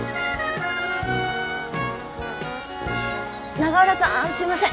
永浦さんすいません。